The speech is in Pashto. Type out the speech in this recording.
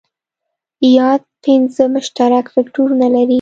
یاد پنځه مشترک فکټورونه لري.